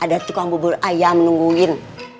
ada tukang bubur ayam nungguin